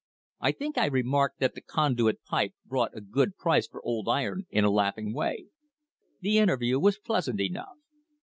I think I remarked tha, the Condui, Pipe brought a good pnce for old a laughing way. The interview was pleasant enough.